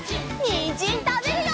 にんじんたべるよ！